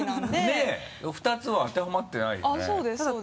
ねぇ２つは当てはまってないよね